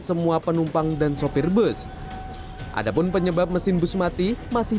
semua penumpang dan sopir bus adapun penyebab mesin bus mati masih